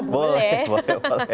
boleh boleh boleh